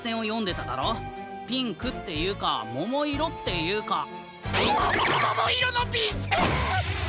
ピンクっていうかももいろっていうか。もももいろのびんせん！？